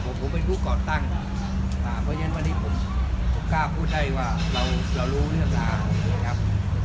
ผมเป็นผู้ก่อตั้งเพราะฉะนั้นวันนี้ผมกล้าพูดได้ว่าเรารู้เรื่องราวนะครับ